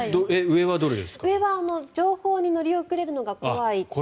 上は情報に乗り遅れるのが怖いって。